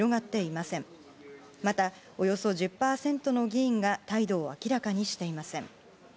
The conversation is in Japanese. また、およそ１０％の議員が態度を明らかにしていません。